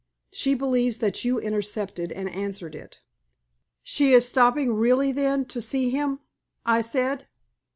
She believes that you intercepted and answered it." "She is stopping really, then, to see him?" I said.